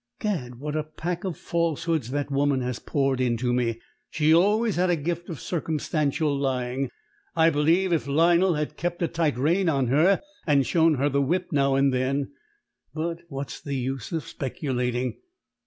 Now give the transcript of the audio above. Gad, what a pack of falsehoods that woman has poured into me! She always had a gift of circumstantial lying. I believe, if Lionel had kept a tight rein on her and shown her the whip now and then but what's the use of speculating?